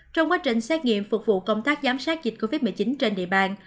trong quá trình xét nghiệm phục vụ công tác giám sát dịch covid một mươi chín trên địa bàn